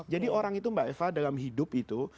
jadi orang itu mbak eva dalam hidup itu